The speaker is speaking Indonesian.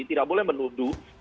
tidak boleh menuduh